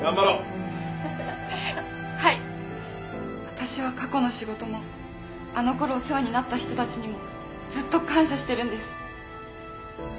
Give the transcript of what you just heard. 私は過去の仕事もあのころお世話になった人たちにもずっと感謝してるんです。